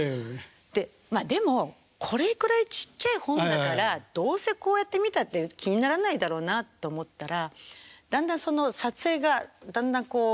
でまあでもこれくらいちっちゃい本だからどうせこうやって見たって気にならないだろうなと思ったらだんだんその撮影がだんだんこう